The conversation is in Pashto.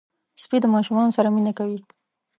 سپي د ماشومانو سره مینه کوي.